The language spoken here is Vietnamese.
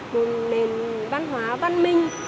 một nền văn hóa văn minh